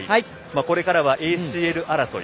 これからはＡＣＬ争い。